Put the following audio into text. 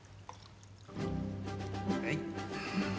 はい。